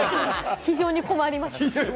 非常に困ります。